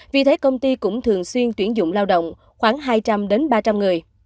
vì thế công ty cũng thường xuyên tuyển dụng lao động khoảng hai trăm linh ba trăm linh người